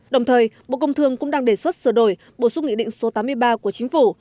đồng thời bộ công thương cũng đang đề xuất sửa đổi bổ sung nghị định số tám mươi ba của chính phủ